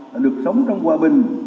là được sống trong hòa bình